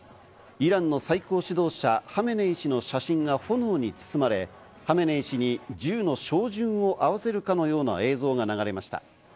イランの最高指導者ハメネイ師の写真が炎に包まれ、ハメネイ師に銃の照準を合わせるかのような映像が流れました。